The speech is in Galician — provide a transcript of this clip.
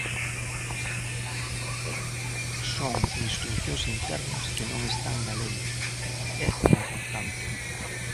Son instrucións internas que non están na lei, é importante.